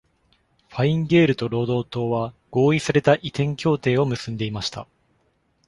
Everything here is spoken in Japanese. ファイン・ゲールと労働党は合意された移転協定を結んでいました。